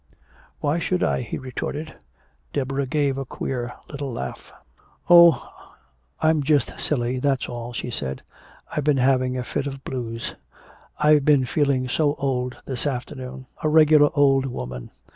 "Why should I?" he retorted. Deborah gave a queer little laugh. "Oh, I'm just silly, that's all," she said. "I've been having a fit of blues. I've been feeling so old this afternoon a regular old woman.